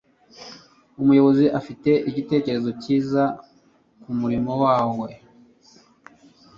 Umuyobozi afite igitekerezo cyiza kumurimo wawe.